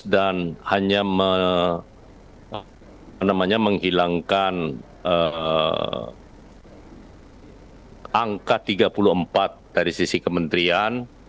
dan hanya menghilangkan angka tiga puluh empat dari sisi kementerian